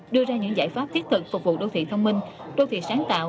đưa ra những giải pháp thiết thực phục vụ đô thị thông minh đô thị sáng tạo